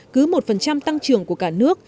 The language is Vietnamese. cứ một tăng trưởng của cả nước